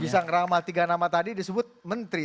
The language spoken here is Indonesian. bisa ngeramal tiga nama tadi disebut menteri